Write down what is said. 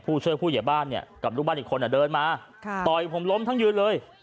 ผู้ช่วยผู้ใหญ่บ้านเนี่ยกับลูกบ้านอีกคนเดินมาต่อยผมล้มทั้งยืนเลย